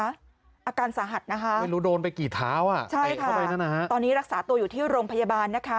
อาการสาหัสนะคะใช่ค่ะตอนนี้รักษาตัวอยู่ที่โรงพยาบาลนะคะ